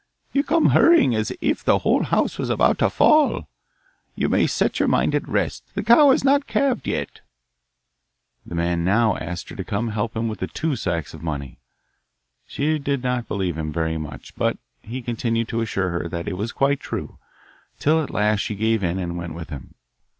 'You come hurrying as if the whole house was about to fall. You may set your mind at rest: the cow has not calved yet.' The man now asked her to come and help him home with the two sacks of money. She did not believe him very much, but he continued to assure her that it was quite true, till at last she gave in and went with him.